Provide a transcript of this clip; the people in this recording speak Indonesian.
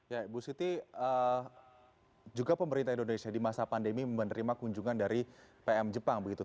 ya ibu siti juga pemerintah indonesia di masa pandemi menerima kunjungan dari pm jepang begitu